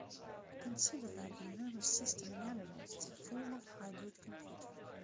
Consider that the nervous system in animals is a form of hybrid computer.